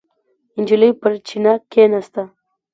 نجلۍ پر چینه کېناسته.